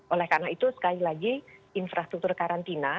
oleh karena itu sekali lagi infrastruktur karantina